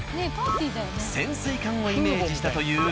潜水艦をイメージしたというカレーパン。